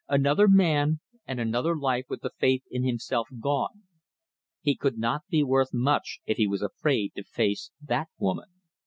Another man and another life with the faith in himself gone. He could not be worth much if he was afraid to face that woman.